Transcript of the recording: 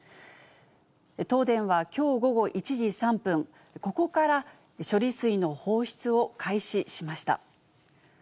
東電はきょう午後１時３分、ここから処理水の放出を開始しました。